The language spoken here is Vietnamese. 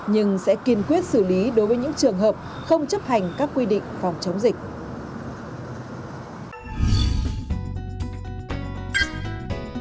nhưng sẽ kiên quyết xử lý đối với những trường hợp không chấp hành các quy định phòng chống dịch